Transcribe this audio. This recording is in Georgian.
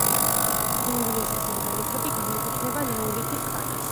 ინგლისის მეგალითები განეკუთვნება ნეოლითის ხანას.